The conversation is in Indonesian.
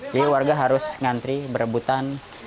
jadi warga harus ngantri berebutan